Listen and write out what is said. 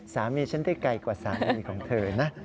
สามีฉันเตะไก่กว่าสามีของเธอนะ